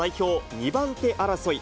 ２番手争い。